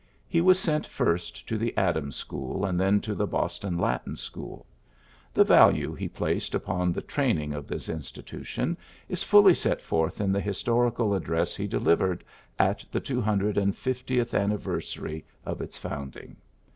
He was sent first to the Adams School, and then to the Boston Latin School. The value he placed upon the training of this insti tution is fully set forth in the historical address he delivered at the two hundred and fiftieth anniversary of its founding.